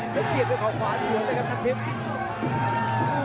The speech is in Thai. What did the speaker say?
และเสียด้วยข้าวขวาส่วนเลยครับนัทธิพย์